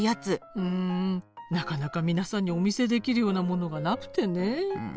うんなかなか皆さんにお見せできるようなものがなくてね。